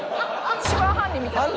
一番犯人みたいな顔。